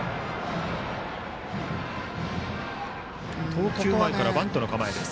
投球前からバントの構えです。